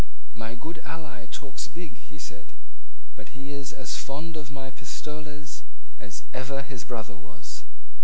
"My good ally talks big," he said; "but he is as fond of my pistoles as ever his brother was."